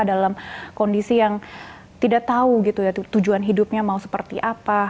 dalam kondisi yang tidak tahu gitu ya tujuan hidupnya mau seperti apa